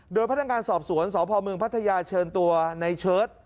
โดยพนักงานสอบสวนสพเมืองพัทยาเชิญตัวในเชิด